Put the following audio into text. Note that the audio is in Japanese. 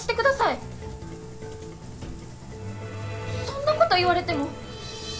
そんなこと言われても。